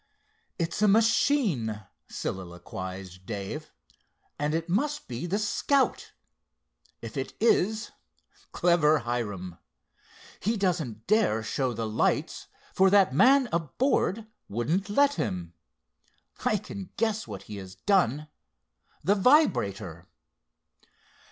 "It's a machine," soliloquized Dave, "and it must be the Scout. If it is—clever Hiram! He doesn't dare show the lights, for that man aboard wouldn't let him. I can guess what he has done—the vibrator."